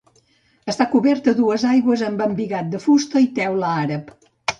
Està cobert a dues aigües amb embigat de fusta i teula àrab.